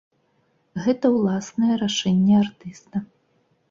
Гэта ўласнае рашэнне артыста.